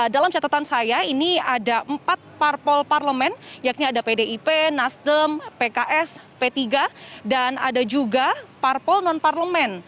dalam catatan saya ini ada empat parpol parlemen yakni ada pdip nasdem pks p tiga dan ada juga parpol non parlemen